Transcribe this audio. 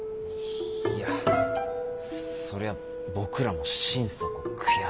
いやそりゃ僕らも心底悔しいっすよ。